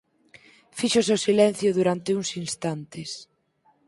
Fíxose o silencio durante uns instantes.